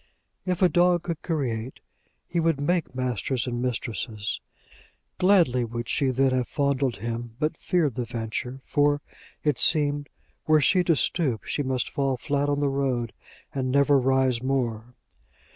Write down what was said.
If a dog could create, he would make masters and mistresses. Gladly would she then have fondled him, but feared the venture; for, it seemed, were she to stoop, she must fall flat on the road, and never rise more.